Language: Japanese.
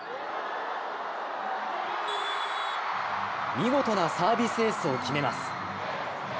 見事なサービスエースを決めます。